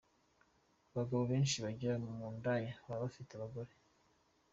Abagabo benshi bajya mu ndaya baba bafite abagore